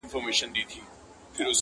له رقیبه مي خنزیر جوړ کړ ته نه وې؛